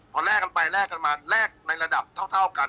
พอแลกกันไปแลกกันมาแลกในระดับเท่ากัน